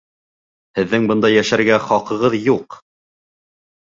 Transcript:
Һеҙҙең бында йәшәргә хаҡығыҙ юҡ!